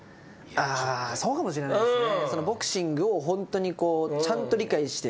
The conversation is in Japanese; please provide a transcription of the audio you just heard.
あそうかもしれないですね。